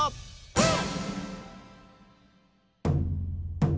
うん！